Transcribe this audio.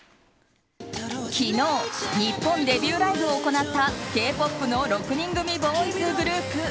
昨日日本デビューライブを行ったＫ‐ＰＯＰの６人組ボーイズグループ